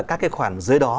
các cái khoản dưới đó